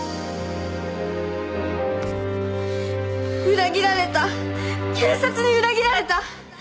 「裏切られた警察に裏切られた」